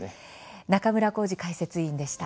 中村幸司解説委員でした。